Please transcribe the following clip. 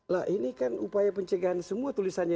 lah ini kan upaya pencegahan semua tulisannya